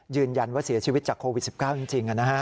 ยืนยันว่าเสียชีวิตจากโควิด๑๙จริง